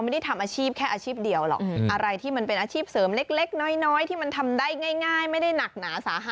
ดูเขาตั้งใจมากนะค่ะ